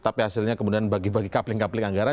tapi hasilnya kemudian bagi bagi kapling kapling anggaran